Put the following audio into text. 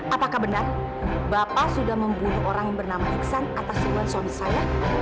apakah benar bapak sudah membunuh orang bernama yuksan atas iluan suami saya